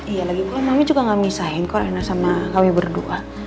iya lagi gue sama mami juga gak misahin kok reina sama kami berdua